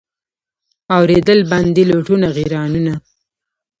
اورېدل باندي لوټونه غیرانونه